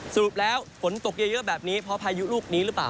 สรุปแล้วฝนตกเยอะแบบนี้เพราะพายุลูกนี้หรือเปล่า